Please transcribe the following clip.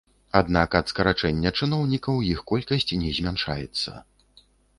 Аднак ад скарачэння чыноўнікаў іх колькасць не змяншаецца.